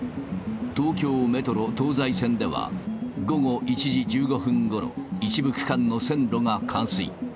東京メトロ東西線では、午後１時１５分ごろ、一部区間の線路が冠水。